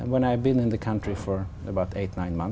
khi đi vào trường